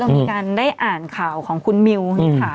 เรามีการได้อ่านข่าวของคุณมิวค่ะ